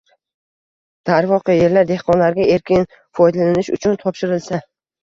Darvoqe, yerlar dehqonlarga erkin foydalanish uchun topshirilsa